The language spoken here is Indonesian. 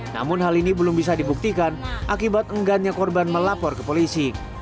namun hal ini belum bisa dibuktikan akibat enggannya korban melapor ke polisi